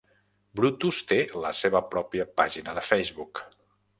Brutus té la seva pròpia pàgina de Facebook.